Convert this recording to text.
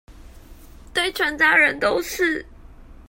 對全家人都是